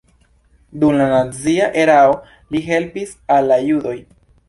Dum la nazia erao li helpis al la judoj.